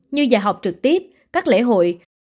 như dạy học trực tiếp các lễ hội